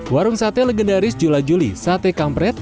warung sate legendaris jula juli sate kampret